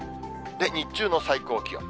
日中の最高気温。